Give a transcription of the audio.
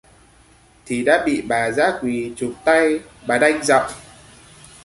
Thì đã bị bà dã quỳ Chụp tay bà đanh giọng